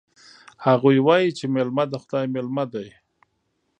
هغوی وایي چې میلمه د خدای مېلمه ده